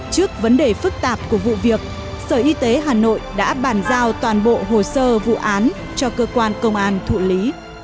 trước vấn đề phức tạp của vụ việc sở y tế hà nội đã bàn giao toàn bộ hồ sơ vụ án cho cơ quan công an thụ lý